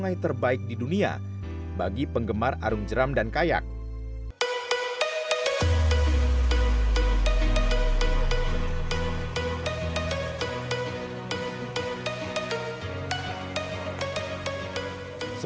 dan berani memanfaatkan masa untuk menulis video ini dalam silly kanal asahan us entender